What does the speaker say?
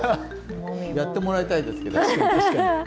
やってもらいたいですけど。